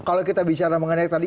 kalau kita bicara mengenai tadi